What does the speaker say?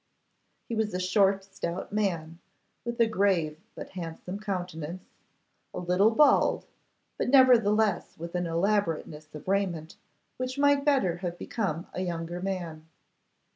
He was a short, stout man, with a grave but handsome countenance, a little bald, but nevertheless with an elaborateness of raiment which might better have become a younger man.